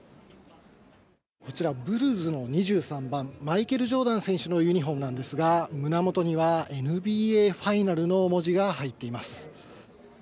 こちら、ブルズの２３番、マイケル・ジョーダン選手のユニホームなんですが、胸元にはＮＢＡファイナルの文字が入っています。